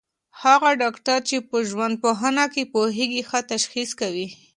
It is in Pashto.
هغه ډاکټر چي په ژوندپوهنه پوهېږي، ښه تشخیص کوي.